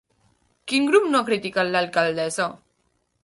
Quin grup no ha criticat l'alcaldessa?